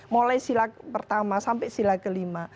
mulai sila pertama sampai sila kelima